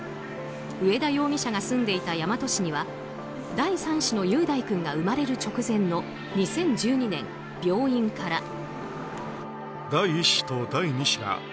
上田容疑者が住んでいた大和市には第３子の雄大君が生まれる直前の２０１２年病院から。